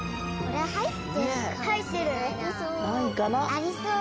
ありそう。